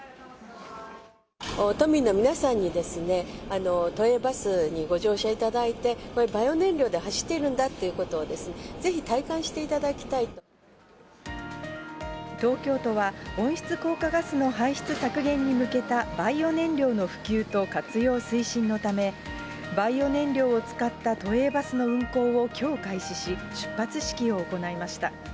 都民の皆さんに、都営バスにご乗車いただいて、こういうバイオ燃料で走っているんだっていうことをぜひ体感して東京都は、温室効果ガスの排出削減に向けたバイオ燃料の普及と活用推進のため、バイオ燃料を使った都営バスの運行をきょう開始し、出発式を行いました。